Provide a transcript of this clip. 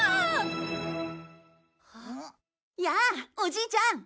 やあおじいちゃん。